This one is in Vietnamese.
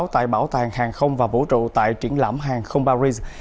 tại bảo tàng hàng không và vũ trụ tại triển lãm hàng không paris